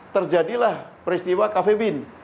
terjadilah peristiwa cafe bean